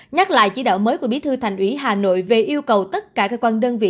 nhắc lại chỉ đạo mới của bí thư thành ủy hà nội về yêu cầu tất cả cơ quan đơn vị